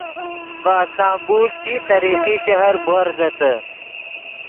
ڤے استنبول چی تاریخی شہر بوورزتے